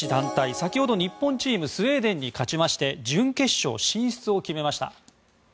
先ほど日本チームスウェーデンに勝ちまして準決勝進出を決めました。